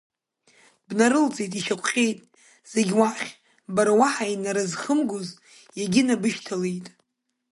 Бнарылҵит ишьақәҟьеит, зегь уахь бара уаҳа инарызхымгоз иагьынабышьҭалеит.